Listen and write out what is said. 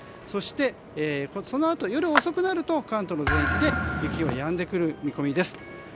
そして、そのあと夜遅くになると関東全域で雪はやんでくる見込みです。